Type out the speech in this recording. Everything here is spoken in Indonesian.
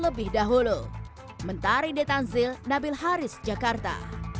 lebih dahulu mentari detanzil nabil haris jakarta